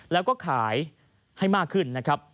แล้วก็ขายให้มากขึ้นนะครับ